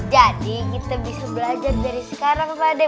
jadi kita bisa belajar dari sekarang pakde